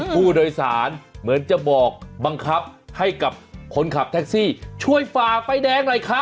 ผู้โดยสารเหมือนจะบอกบังคับให้กับคนขับแท็กซี่ช่วยฝ่าไฟแดงหน่อยครับ